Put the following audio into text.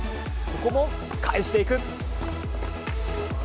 ここも返していく。